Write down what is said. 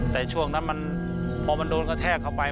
แต่ช่วงนั้นพอมันโดนกระแทกเข้าไป